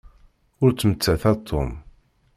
Ur ttmettat a Tom.